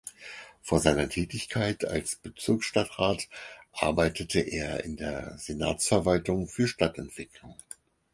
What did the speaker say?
Vor seiner Tätigkeit als Bezirksstadtrat arbeitete er in der Senatsverwaltung für Stadtentwicklung.